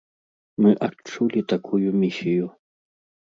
Мы адчулі такую місію.